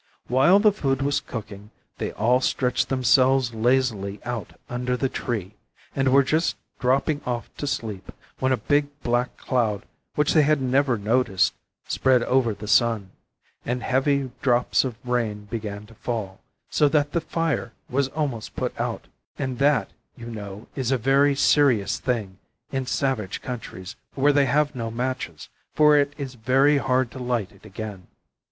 While the food was cooking they all stretched themselves lazily out under the tree, and were just dropping off to sleep when a big black cloud which they had never noticed spread over the sun, and heavy drops of rain began to fall, so that the fire was almost put out, and that, you know, is a very serious thing in savage countries where they have no matches, for it is very hard to light it again.